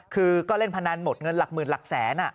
คือก็เล่นพนันหมดเงินหลักหมื่นหลักแสน